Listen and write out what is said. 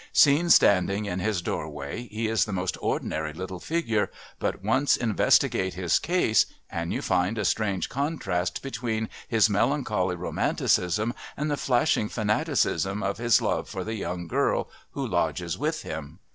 Seen standing in his doorway he is the most ordinary little figure, but once investigate his case and you find a strange contrast between his melancholy romanticism and the flashing fanaticism of his love for the young girl who lodges with him.